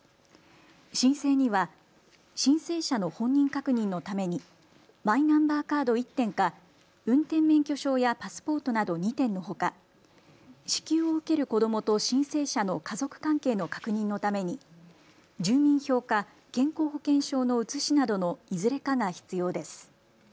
申請には申請者の本人確認のためにマイナンバーカード１点か運転免許証やパスポートなど２点のほか、支給を受ける子どもと申請者の家族関係の確認のために住民票か健康保険証の写しなどのいずれかが必要です。